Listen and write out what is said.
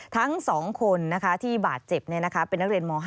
ทั้ง๒คนที่บาดเจ็บเป็นนักเรียนม๕